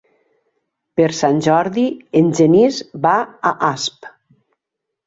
Per Sant Jordi en Genís va a Asp.